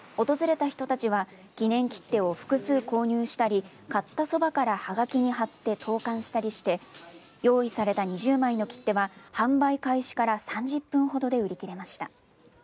訪れた人たちは記念切手を複数購入したり、買ったそばからはがきに貼って投かんしたりして用意された２０枚の切手は販売開始から３０分ほどで売り切れました。